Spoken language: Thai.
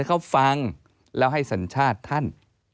เขาฟังแล้วให้สัญชาติท่าน